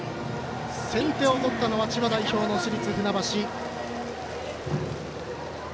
先手を取ったのは千葉代表の市立船橋。